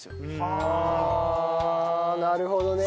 ああなるほどね。